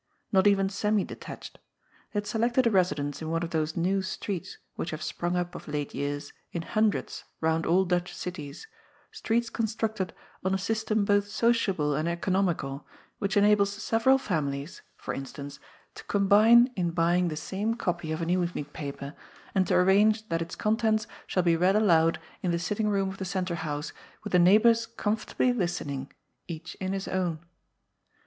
Not even semi detached. They had selected a residence in one of" those new streets which have sprung up of late years in hundreds round all Dutch cities, streets constructed On a sys tem both sociable and economical, which enables several families (for instance) to combine in buying the same copy of an evening paper and to arrange that its contents shall be read aloud in the sitting room of the centre house with the neighbours comfortably listening, each in his own.